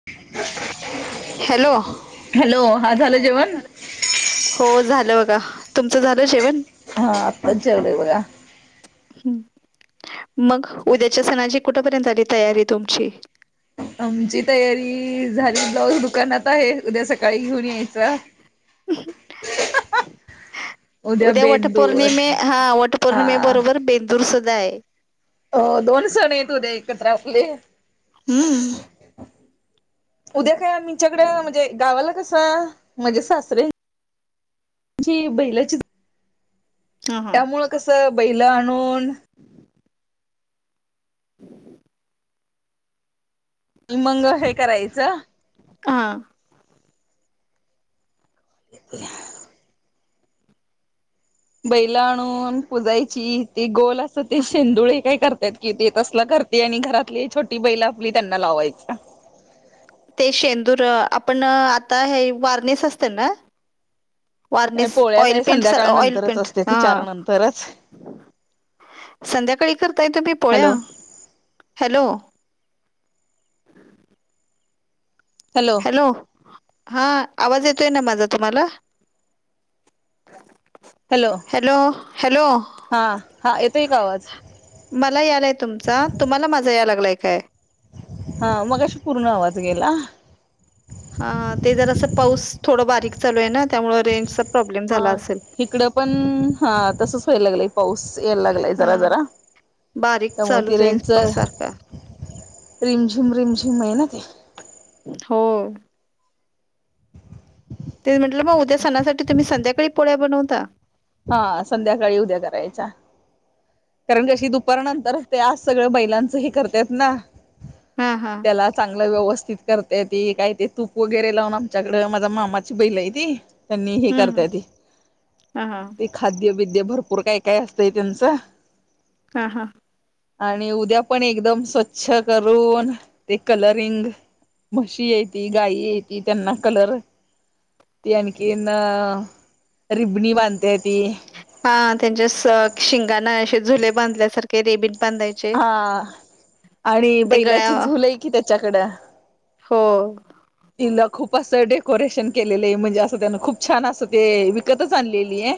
[unintelligible] Hello हा झालं hello हा जेवण झा हो झालं बघा. तुमचं झालं जेवण. हा आताच जेवले बघा. ह मग उद्याच्या सणाची कुठपर्यंत झाली तयारी तुमची? आमची तयारी झाली ब्लाउज दुकानात आहे. उद्या सकाळी घेऊन यायचा. [unintelligible] उद्या वटपौर्णिमे हा हा वटपौर्णिमे बरोबर बेंदूर स नाही. हो दोन सण आहेत उद्या एकत्र आपले. हूम्म. उद्या काय आमीच्याकड म्हणजे गावाला कस माजे सासरे म्ह जी बैलाचीच हा हा त्यामुळे कस बैलं आणून [inaudible] आणि मंग हे करायचं. का? [inaudible] बैल आणून पुजायची, ती गोल असं ते शेंदुळे काय करत्यात कि ते तसला करते आणि घरातली छोटी बैल आपली त्यांना लावायच. ते शेंदूर अ आपण अ आता हे वारणीस असतय ना? वारनिस, पोळ्या ऑइल काय पेंट सा, संध्याकाळ ऑइल नंतरच पेंट असते ती हा. चार नंतरच संध्याकाळी करताय तूमी पोळ्या? Hello hello. ह [inaudible] हॅलो. हा आवाज येतोय ना माझा तुम्हाला? हॅलो. हॅलो. हा हा येतोय का आवाज मला यालाय तुमचा. तुम्हाला माजा याय लागलाय? काय हा मगाशी पूर्ण आवाज गेला. हा ते जरासं, पाऊस थोडं बारीक चालू हाय ना, त्यामुळे रेंज हा हीकडं पण हा, तसच व्हाय लागलंय, पाऊस यायला लागलाय हा जरा जरा बारीक त्यामुळे चालूच हाय पा सारखा. रिम झुम, रिम झीम हाय ना ते. हो. तेच म्हटलं, मग उद्या ते सणासाठी तुम्ही संध्याकाळी पोळ्या बनवता? हा संध्याकाळी उद्या करायच्या. कारण कशी दुपारनंतरच, ते आज सगळ बैलांचं हे करत्यात ना. हा हा त्याला चांगला व्यवस् स्थित करत्या ती. काय ते तूप वगैरे लावून आमच्याकडं, माझ्या मामाची बैल आहे ती त्यांनी हे हम्म करत्याती हा हा खाद्यबीद्य भरपूर काय काय असतंय त्यांचं. हा हा. आणि उद्या पण एकदम स्वच्छ करून ते कलरिंग म्हशी एती, गाय एती त्यांना कलर ते आणखी न रिबणी बांध हा त्यांच्या स शिंगाना असे झुले बांधल्यासारखे रेबीन हा आणि ते गळ्या बैलाची झूल आहे की त्याच्याकड हो. तिला खूप असं डेकोरेशन केलेलं ए म्हणजे आसं त्यान खूप छान असं, ते विकतच आणलेली ए.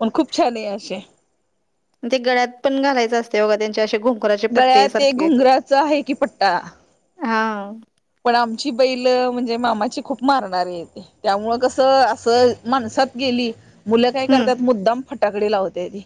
मग खूप छान ए असे. ते गळ्यात पण घालायचं असतय बघा, त्यांच्या असे गुब गळ्यात ते घुंगराचा हाय की पट्टा. हा पण आमची बैल म्हणजे मामाची खूप मारणारी हेती त्यामुळं कस असं माणसात गेली मुलं काय हम्म करतात मुद्दाम फटाकडी लावत्याती.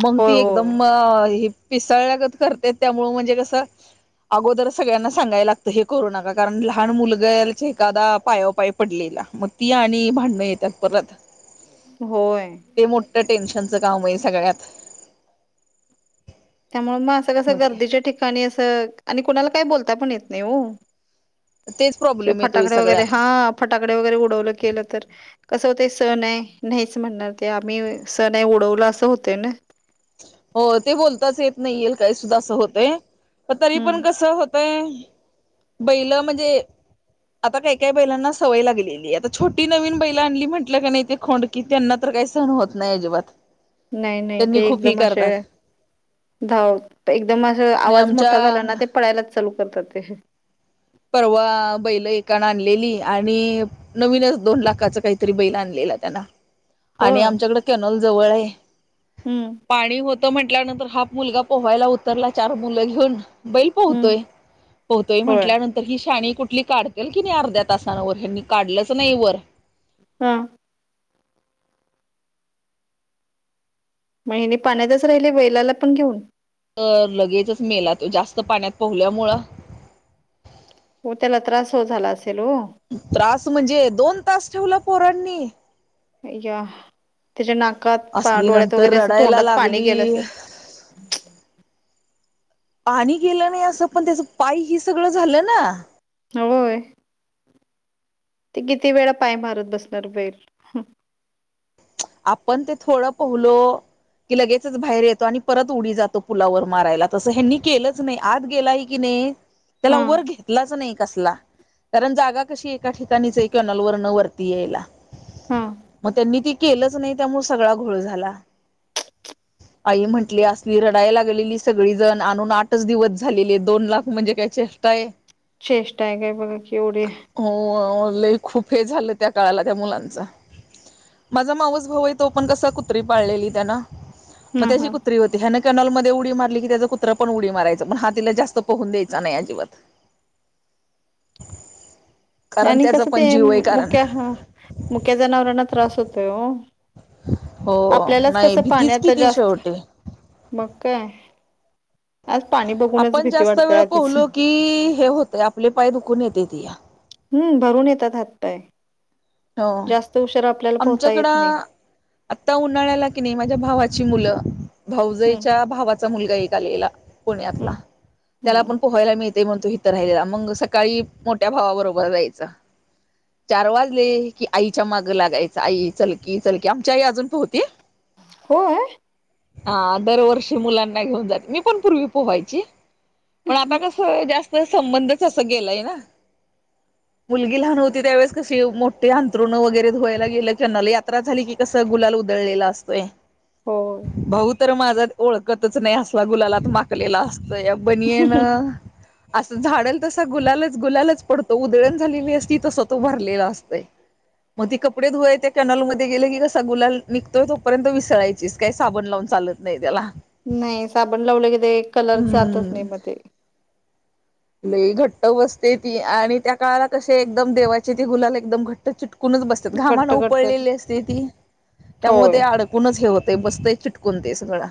मंग होय ती होय एकदम अ पिसाळल्यागत करते त्यामुळे म्हणजे कसं अगोदर सगळ्यांना सांगायला लागतं हे करू नका कारण लहान मुलगचे एखादा पायावरपाय पडलेला म ती आणि भांडणं येतात परत. होय ते मोठ टेन्श चं काम ये सगळ्यात त्यामुळ म असं कसं मध्ये गर्दीच्या ठिकाणी असं आणि कुणाला काय बोलता पण येत नाय ओ. तेच असे प्रॉब्लेम येतोय फटाकडे वगैरे सगळ्यात हा फटाकडे वगैरे उडवलं केलं तर कसं होतय सण ये नाहीच म्हणणार ते आम्ही सण ये उडवलं असं होतय न. हो ते बोलताच येत नाही येल काही सुद्धा असं होतय. पण तरी हम्म पण कसं होतय बैल म्हणजे आता काही काय बैलांना सवय लागलेलीय आता छोटी नवीन बैल आणली म्हटलं का नाही खोंडकी त्यांना तर काही सण होत नाय अजिबात नाही नाही ते त्यांनी एक खूप ही एकदम असे करतात धाव एकदम अस नाही आवाज मोठा आमच्या झाला ना ते पळायलाच चालू करतात ते. परवा बैल एकाणं आणलेली आणि नवीनच दोन लाखाच कायतरी बैल आणले. त्यांना हो. आणि आमच्याकड कॅनोल जवळ ये हम्म पाणी होत त म्हटल्यानंतर हाफ मुलगा पोहायला उत्तरला चार मुलं घेऊन बैल हम्म पोहतोय पोहतोय होय म्हंटल्यानं- ही शाणी कुठली काढतेल की नाय अर्ध्या तासानं वर हैनी काढलंच नाही वर हा म ह्याने पाण्यातच राहिले बैलाला पण घेऊन तर लगेचच मेला तो जास्त पाण्यात पोहल्यामुळं ग त्याला त्रास हो झाला असे त्रास म्हणजे दोन तास ठेवल पोरांनी अ या त्याच्या नाकात पा असली डोळ्यात नंतर वगैरे अस रडायला तोंडात पाणी गेलं लागली असल [unintelligible] पाणी गेल नाही असं पण त्याच पाय हे सगळं झालं ना होय. ते किती वेळा पाय मारत बसणार बैल आपण ते थोडं पोहलो. की लगेचच बाहेर येतो आणि परत उडी जातो पुलावर मारायला तसं है नी केलंच नाई आत गेलाय की नाई त्याला हा वर घेतलाच नाही. असला कारण जागा कशी एका ठिकाणीच आहे कनॉल वर न वरती यायला. हा म त्यांनी ती केलंच नाही त्यामुळ सगळा घोळ झाला. आई म्हटली असली रडाय लागलेली सगळीजण आणून आठच दिवस झालेले दोन लाख म्हणजे काय चे ष्टा ये. चेष्टा आहे काय बघा की एवढी हो लय खूप हे झालं त्या काळाला त्या मुलांचा - माझा माऊस भाऊ आहे तो पण कसा कुत्री पाळलेली त्यान मग हा त्याची हा कुत्री होती ह्यांन कॅनोलमध्ये उडी मारली की त्याचा कुत्र पण उडी माराचं पण हा तिला जास्त पहून द्यायचा नाही अजिबात. [unintelligible] आणि त्याचा कसं पण ते जीव आहे कारण मुक्या मुक्या जनावरांना त्रास होतोय ओ हो आपल्यालाच नाही कसं भीतीच पाण्यात त किती जास्त शेवटी मग काय? आज पाणी बघूनच आपण भीती जास्त वाटते वेळ आधीच पोहलो की हे होतं आपले पाय दुखून येतेतीया. हम्म भरून येतात हातपाय हो जास्त उशीर आपल्याला पोहता आमच्याकड येत नाही आता उन्हाळ्याला कि नाही, माझ्या भावा- ची मुलं, हम्म भाऊजईच्या भावाचा मुलगा एक आलेला- पुण्यातला हम्म त्याला हम्म आपण पोहायला मिळतेय म्हणतो, इथं राहिलेला मग सकाळी- मोठ्या भावाबरोबर जायच, चार वाज- ले की, आईच्या माग लागायच, आई चल की, चल की, आमच्या आई अजून पोहते- हो. हा दरवर्षी मुलांना घेऊन जाते, मी पण पूर्वी पोहायची. पण आता कस जास्त- संबंध अस गेलाय ना, मुलगी लहान होती त्यावेळे क- मोठे अंथरुण वगैरे धुवायला गेलं कि, नल यात्रा झाली की कसं गुलाल उदळलेला असतोय. होय भाऊ तर माझा ओळखतच नाही, असला गुलालात माकलेला असत- त अ बनीयन- असं झाडाल तसा गुलालच, गुलालच पडतो उधळण झालेली असती तस तो भरलेला असतंय. मग ती कपडे धुवाय त्या कँनलमध्ये गेले की, कसा गुलाल निघतोय तोपर्यंत विसरायचीस काय साबण लावून- चालत नाही, त्याला- नाही साबण लावलं कि, ते कलर जातच हम्म नाही म ते. लय घट्ट बसते ती आणि त्या काळाला कसे एकदम देवाचे ती गुलाल एकदम घट्ट चिटक- चिटकूनच बसतात. घामान घट्ट घट्ट उपळलेली असते ती, त्यामुळे होय ते अडकूनच हे हो- ते बसतयं चिटकून ते सगळं.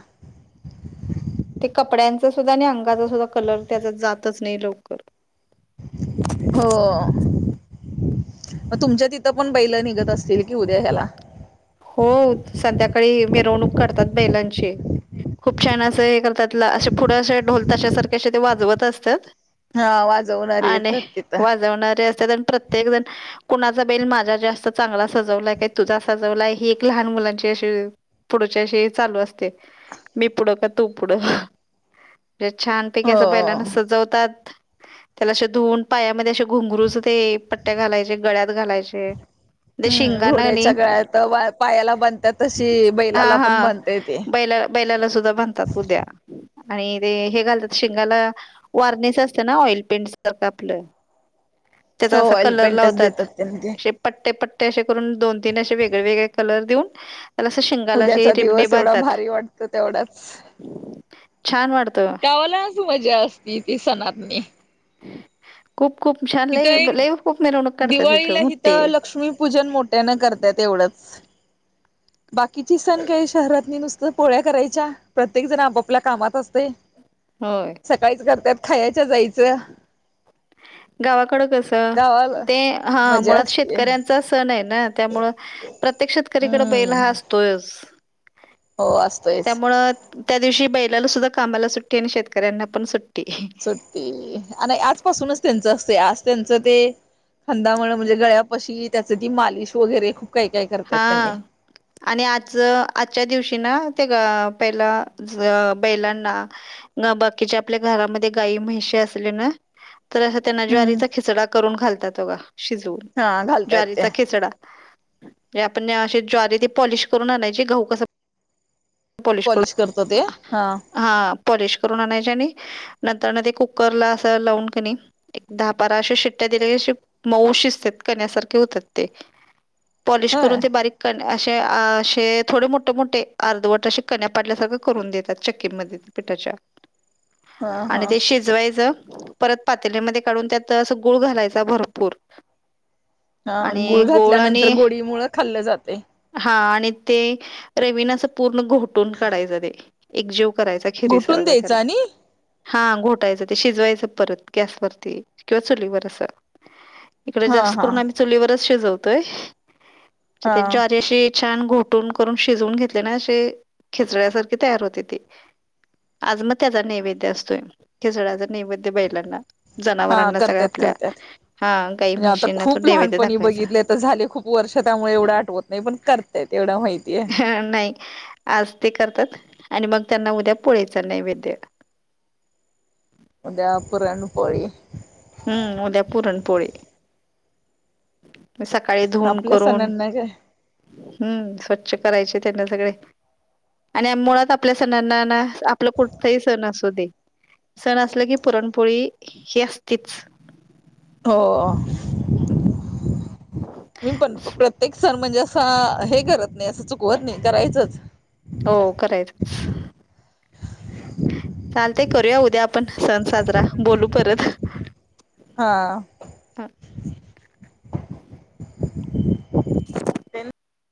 ते कपड्यांचा सुद्धा आणि अंगाचा सुद्धा कलर त्याच्या जातचं नाही लवकर हो. मग तुमच्या तिथं पण बैल निघत असतील कि उद्या ह्याला- हो संध्याकाळी मिरवणूक करतात बैलांची, खूप छान असं हे करतात. असे पुढं असे ढोल ताशा सारखे असे ते वाजवत असतात. हा वाजवणारे आणि येतात तिथं वाजवणारे असत्यात, प्रत्येक जण- कुणाचा बैल माझा जास्त चांगला सजवलाय का, तुझा - सजवलाय, ही एक लहान मुलांची अशी पुढची अशी चालू असते. मी पुढं की तू पुढं- म्हणजे छानपैकी हो असं बैलांना सजवतात, त्याला असे धुवून पायामध्ये असं- घुंगरूच ते पट्ट्या घालायचे गळ्यात घालायचे ते हम्म शिगांना घोड्याच्या आणि- गळ्यात पायाला बांधतात तशी हा, बैलाला पण हा, बांधता ते बैला- बैलाला सुद्धा बानतात उद्या. आणि ते हे घालतात शिंगाला वारनेस असतं ना, ऑइल पेंट सारखं आपलं- ह [inaudible] त्याचा असा कलर लावतात, ते असे पट्टे पट्टे असे करून दोन तीन असे वेगळे- वेगळे कलर देऊन- असं शेंगाला असे उद्याचा रिबणे दिवस एवढा बांधतात भारी वाटत तेवढाच- छान वाटतं गावालाच मजा असती, ती सणातनी. खूप. खूप छान इथं लय एक लय खूप मिरवणूक काढतात दिवाळीला मोठे इथं लक्ष्मीपूजन मोठ्याने करता एवढंच. ह [unintelligible] बाकीची सण काय शहरातनी नुसतं पोळ्या करायच्या, प्रत्येक जण आपापल्या कामात असतय. होय सकाळीच करतात, खायच्या जायचं. गावाकड कसं, गावाला ते हा मजा मुळात असते शेतकऱ्यांचा सण आहे ना- त्यामुळे प्रत्येक शेतकऱ्यांकडे बैल हम्म हा असतोयच. हो असतोयच. त्यामुळं त्या दिवशी बैलाला सुद्धा कामाला सुट्टी आणि शेतकऱ्यांना पण सुट्टी सुट्टी आणि आजपासूनच त्यांचं- आज त्यांचं ते खांदा म्हणजे गळ्यापशी त्याची ती मालिश वगैरे खूप- काही काय हा करतात त्यांनी आणि आज आजच्या दिवशी ना- ते पहिला बैलांना बाकीच्या आपल्या घरामध्ये गाय म्हशी- असलं ना, तर त्यांना हम्म ज्वारीचा खिचडां करून घालतात बघा. शिजवून, हा घालतायत ते ज्वारीचा खिचडा. आपण अशी ज्वारी ती पॉलिश करून आणायची. गहु कसं पालीश पॉलिश करतो करून ते [unintelligible] हा हां. पालीश करून आणायचं, आणि नंतर ते कुकरला असं लावून की नाही, एक दहा [unintelligible] अशा शिट्ट्या दिल्या की अशे मऊ शिजतात, कण्यासारखे होतात ते. पॉलिश होय करून ते बारीक क अशे आ अशे असे थोडे मोठे- मोठे अर्धवट तसे कण्या पाडल्या सगळं करून देतात. चक्कीमध्ये ते पिठाच्या. हा आणि हा ते शिजवायचं. परत पातेलेमध्ये काढून, त्यात अस गुळ घालायचा भरपूर. हा आणि गुळ गोड घातल्यानंतर आणि गोडी मुळ खाल्लं जाते हा आण ते रवी ने असं पूर्ण घोटून काढायचे त एक जीव करायचं, खिरी घोटून सारखं द्यायचं त्याला. आणि हा घोटायचं ते. शिजवायचं परत, गॅसवरती किंवा चुलीवर असं. इकडे हा जास्त हा करून आम्ही चुलीवरचं शिजवतोय. म्हणजे हा ते ज्वारी अशी छान घोटून करून, शिजवून घेतले ना, असे खिचड्यासारखे तयार होते ते. आज मग त्याचा नैवेद्य असतोय. खिचडाचा नैवेद्य बैलांना. हा जनावरांना सगळ्या करत्यात आपल्या. करत्यात हा गाई, म्हणजे आता म्हशींना तो खूप नैवेद्य लहानपणी दाखवायचा. बघितले तर झाले खूप वर्ष त्यामुळे एवढं आठवत नाही. पण करतायेत एवढं माहित हा नाही. आज ते करतात आणि मग त्यांना उद्या पोळीचा नैवेद्य. उद्यापुरण पोळी. हम्म, उद्या पुरणपोळी. सकाळी धुन आपल्या करून, सणांना काय हम्म, स्वच्छ. करायचे त्यांना सगळे. आणि मुळात आपल्या सणांना ना आपलं कुठताही सण असू दे, सण असल की पुरणपोळी ही असतीच. हो, मी पण प्रत्येक सण म्हणजे असा हे करत नाही, असं चुकवत नाही, करायचंच. हो करायचच. चालत करूया उद्या आपण, सण साजरा. बोलू परत. हा. [unintelligible]